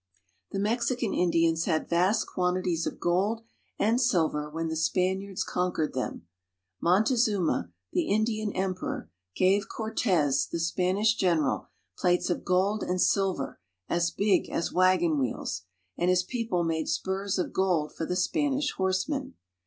The Mexican Indians had vast quantities of gold and silver when the Spaniards conquered them. Montezuma, the Indian emperor, gave Cortes, the Spanish general, plates of gold and silver as big as wagon wheels, and his people made spurs of gold for the Spanish horsemen.